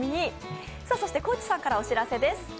そして高地さんからお知らせです。